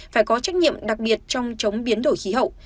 phải có trách nhiệm đặc biệt trong chống biến đổi khí hậu